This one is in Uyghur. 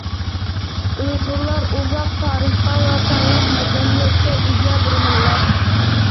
ئۇيغۇرلار — ئۇزاق تارىخقا ۋە پارلاق مەدەنىيەتكە ئىگە بىر مىللەت.